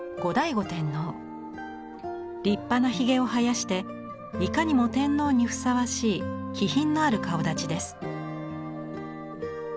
立派なひげを生やしていかにも天皇にふさわしい気品のある顔だちです。